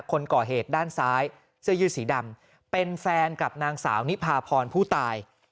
คนก่อเหตุด้านซ้ายเสื้อยืดสีดำเป็นแฟนกับนางสาวนิพาพรผู้ตาย